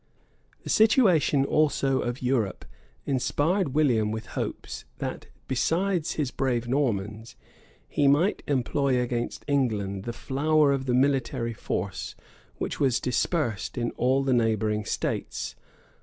[* Gul. Gemet. lib. vii. cap. 30.] The situation also of Europe inspired William with hopes that, besides his brave Normans, he might employ against England the flower of the military force which was dispersed in all the neighboring states.